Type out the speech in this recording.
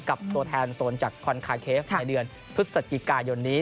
ตัวแทนโซนจากคอนคาเคฟในเดือนพฤศจิกายนนี้